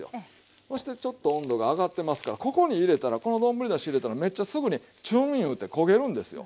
そしてちょっと温度が上がってますからここに入れたらこの丼だし入れたらめっちゃすぐにちゅんいうて焦げるんですよ。